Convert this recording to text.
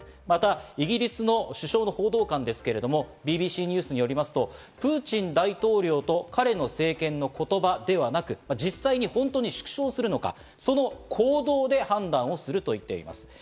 またイギリスの首相の報道官ですけど、ＢＢＣニュースによりますと、プーチン大統領と彼の政権の言葉ではなく、実際に本当に縮小するのか、その行動で判断をすると言っています。